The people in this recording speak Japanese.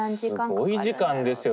すごい時間ですよ